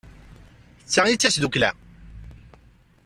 D ta ay d tasdukla.